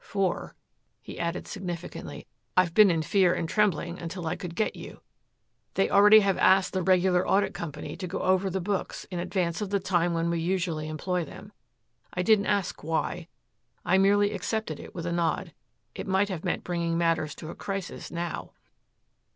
For," he added significantly, "I've been in fear and trembling until I could get you. They already have asked the regular audit company to go over the books in advance of the time when we usually employ them. I didn't ask why. I merely accepted it with a nod. It might have meant bringing matters to a crisis now."